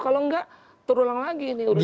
kalau nggak terulang lagi